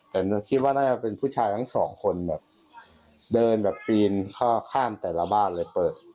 แต่คิดว่าน่าจะเป็นผู้ชายทั้งสองคนแบบเดินแบบปีนเข้าข้ามแต่ละบ้านเลยเปิด